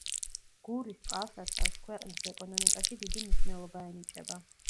გურის წყალსაცავს ქვეყნის ეკონომიკაში დიდი მნიშვნელობა ენიჭება.